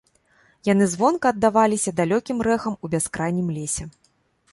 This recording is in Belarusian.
Яны звонка аддаваліся далёкім рэхам у бяскрайнім лесе.